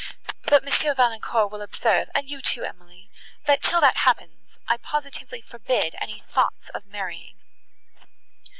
But Mons. Valancourt will observe, and you too, Emily, that, till that happens, I positively forbid any thoughts of marrying."